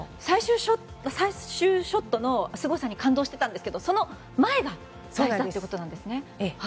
最終ショットのすごさに感動してたんですけどその前がすごかったということなんですね。